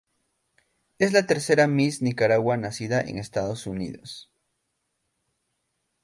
Es la tercera Miss Nicaragua nacida en Estados Unidos.